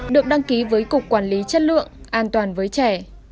được đăng ký với cục quản lý chất lượng an toàn với trẻ